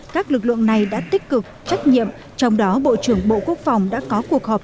các lực lượng này đã tích cực trách nhiệm trong đó bộ trưởng bộ quốc phòng đã có cuộc họp